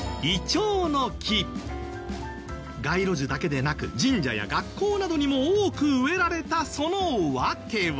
街路樹だけでなく神社や学校などにも多く植えられたその訳は？